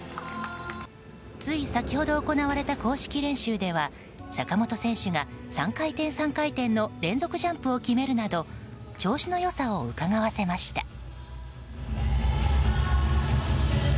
つい先ほど行われた公式練習では坂本選手が３回転３回転の連続ジャンプを決めるなど調子の良さをうかがわせました。